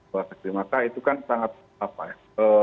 bahwa terima kasih itu kan sangat apa ya